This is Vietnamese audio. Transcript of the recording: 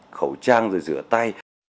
khẩu trang rồi rửa tay